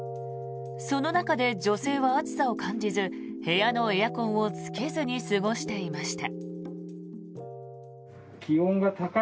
その中で女性は暑さを感じず部屋のエアコンをつけずに過ごしていました。